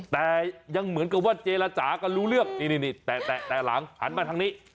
แต่ยังเหมือนกับว่าเจรจากันรู้เรื่องนี่แตะหลังหันมาทางนี้